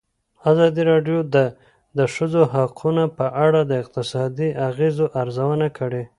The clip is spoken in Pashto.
ازادي راډیو د د ښځو حقونه په اړه د اقتصادي اغېزو ارزونه کړې.